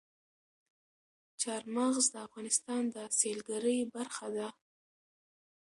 چار مغز د افغانستان د سیلګرۍ برخه ده.